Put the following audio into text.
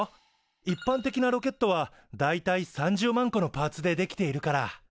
一般的なロケットは大体３０万個のパーツで出来ているから。